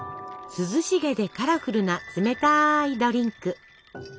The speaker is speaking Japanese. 涼しげでカラフルな冷たいドリンク！